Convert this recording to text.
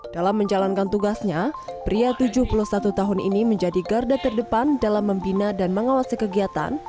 dalam menjalankan tugasnya pria tujuh puluh satu tahun ini menjadi garda terdepan dalam membina dan mengawasi kegiatan